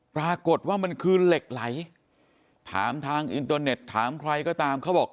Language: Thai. ปรากฏว่ามันคือเหล็กไหลถามทางอินเตอร์เน็ตถามใครก็ตามเขาบอก